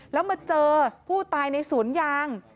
แล้วมาเจอผู้ตายในสวนยาง